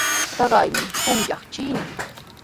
Taqaymi kuyanqaa chiina.